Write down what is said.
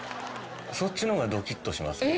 そっちの方がドキッとしますね。